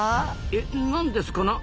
え何ですかな？